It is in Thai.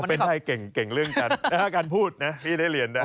เป็นใครเก่งเรื่องจันทร์ถ้าการพูดพี่ได้เรียนได้